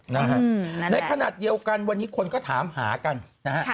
นะฮะในขณะเดียวกันวันนี้คนก็ถามหากันนะฮะ